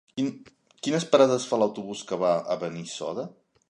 Quines parades fa l'autobús que va a Benissoda?